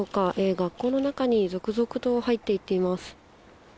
学校の中に続々と入っていっています。